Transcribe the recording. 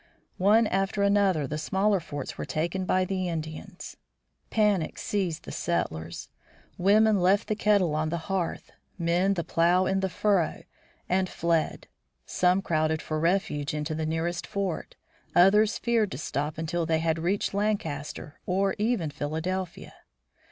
One after another the smaller forts were taken by the Indians. Panic seized the settlers. Women left the kettle on the hearth, men the plow in the furrow, and fled. Some crowded for refuge into the nearest fort. Others feared to stop until they had reached Lancaster or even Philadelphia.